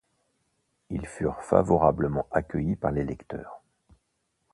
Ils furent favorablement accueillis par les lecteurs.